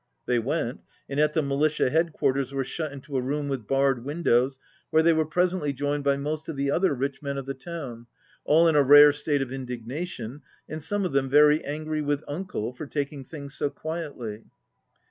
They went, and at the militia headquarters were shut into a room with barred windows where they were presently joined by most of the other rich men of the town, all in a rare state of indignation, and some of them very angry with "Uncle," for taking things so quietly.